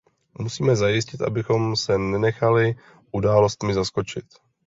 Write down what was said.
Musíme zajistit, abychom se nenechali událostmi zaskočit.